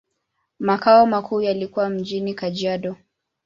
Makao makuu yalikuwa mjini Kajiado.